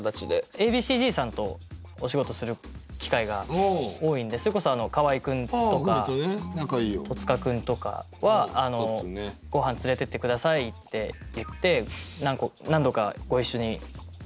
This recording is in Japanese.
Ａ．Ｂ．Ｃ‐Ｚさんとお仕事する機会が多いんでそれこそ河合君とか戸塚君とかは「ご飯連れてって下さい」って言って何度かご一緒にお話させて頂いたりとか。